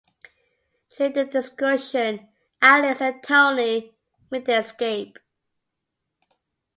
During this discussion, Alice and Tony make their escape.